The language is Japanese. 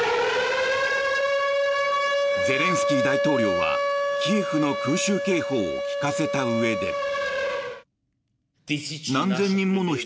ゼレンスキー大統領はキエフの空襲警報を聞かせたうえで。